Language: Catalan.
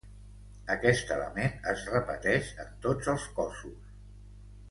Aquest element es repeteix en tots els cossos.